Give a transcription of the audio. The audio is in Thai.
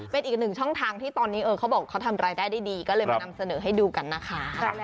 เป็นอีกหนึ่งช่องทางที่ตอนนี้เขาบอกเขาทำรายได้ได้ดีก็เลยมานำเสนอให้ดูกันนะคะ